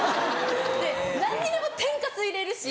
何にでも天かす入れるし。